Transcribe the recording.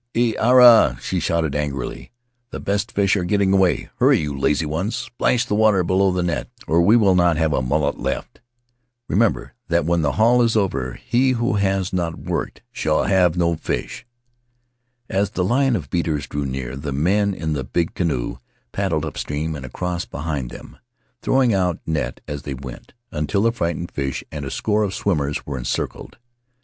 "E ara!" she shouted, angrily; "the best fish are getting away! Hurry, you lazy ones — splash the water below the net, or we shall not have a mullet left ! Remember that when the haul is over he who has not worked shall have no fish." As the line of beaters drew near, the men in the big In the Valley of Vaitia canoe paddled upstream and across behind them, throwing out net as they went, until the frightened fish and a score of swimmers were encircled.